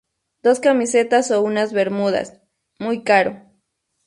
dos camisetas o unas bermudas. muy caro.